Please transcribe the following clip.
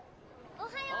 おはよう！